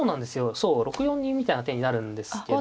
そう６四銀みたいな手になるんですけど。